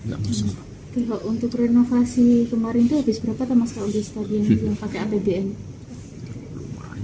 renovasi kemarin itu habis berapa mas